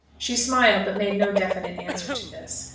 She smiled, but made no definite answer to this.